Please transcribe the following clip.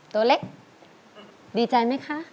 ตัวเล็กดีใจไหมคะ